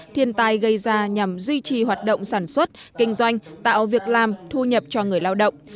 thiên tai gây ra nhằm duy trì hoạt động sản xuất kinh doanh tạo việc làm thu nhập cho người lao động